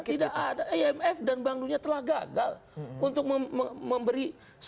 tidak ada imf dan bank dunia telah gagal untuk memberi